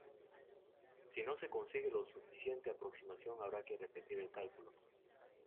Si no se consigue la suficiente aproximación habrá que repetir el cálculo.